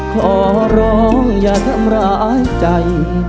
ขอร้องอย่าทำร้ายใจ